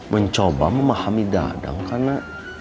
mencoba memahami dadang karena